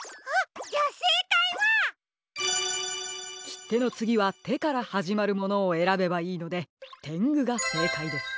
きってのつぎは「て」からはじまるものをえらべばいいのでてんぐがせいかいです。